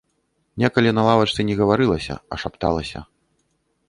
Некалі на лавачцы не гаварылася, а шапталася.